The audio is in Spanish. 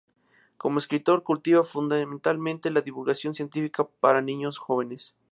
Como escritor, cultiva fundamentalmente la divulgación científica para niños y jóvenes.